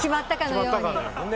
決まったかのように。